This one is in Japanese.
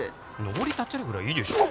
のぼり立てるぐらいいいでしょ